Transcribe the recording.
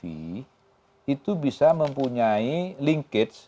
itu bisa mempunyai linkage